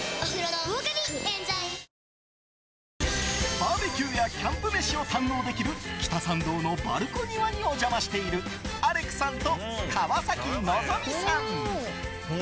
バーベキューやキャンプ飯を堪能できる北参道のＢＡＬＣＯＮＩＷＡにお邪魔しているアレクさんと川崎希さん。